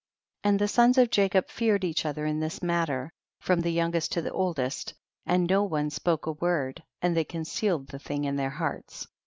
And the sons of Jacob feared each other in this matter, from the youngest to the oldest, and no one spoke a word, and they concealed the thing in their hearts.